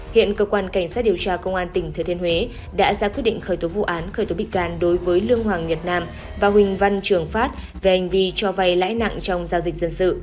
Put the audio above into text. hiện cơ quan cảnh sát điều tra công an tỉnh thừa thiên huế đã ra quyết định khởi tố vụ án khởi tố bị can đối với lương hoàng nhật nam và huỳnh văn trường phát về hành vi cho vay lãi nặng trong giao dịch dân sự